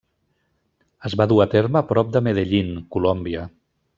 Es va dur a terme prop de Medellín, Colòmbia.